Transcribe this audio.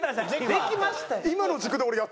できましたやん。